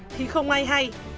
thì không ai hay